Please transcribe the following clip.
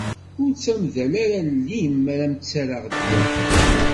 Ur ttamdal ara allen-im mi ara m-ttarraɣ ddwa.